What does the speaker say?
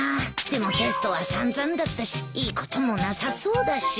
でもテストは散々だったしいいこともなさそうだし。